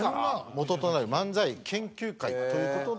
もととなる漫才研究会という事で。